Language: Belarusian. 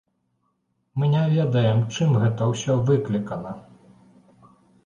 Мы не ведаем, чым гэта ўсё выклікана.